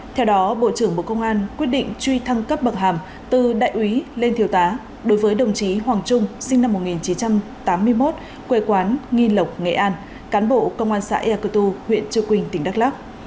theo đó bộ trưởng bộ công an quyết định truy thăng cấp bậc hàm từ đại úy lên thiếu tá đối với đồng chí hoàng trung sinh năm một nghìn chín trăm tám mươi một quê quán nghi lộc nghệ an cán bộ công an xã ea cơ tu huyện trư quỳnh tỉnh đắk lắc